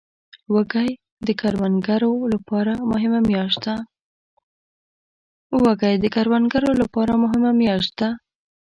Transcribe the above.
وږی د کروندګرو لپاره مهمه میاشت ده.